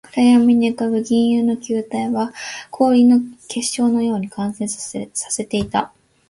暗闇に浮ぶ銀色の球体は、氷の結晶のように完成されていた